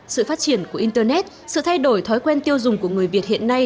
sự phát triển của internet sự thay đổi thói quen tiêu dùng của người việt hiện nay